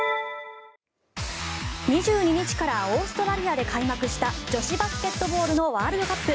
２２日からオーストラリアで開幕した女子バスケットボールのワールドカップ。